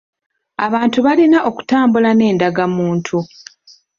Abantu balina okutambula n’endagamuntu.